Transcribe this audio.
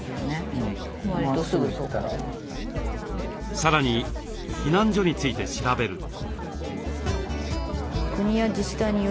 さらに避難所について調べると。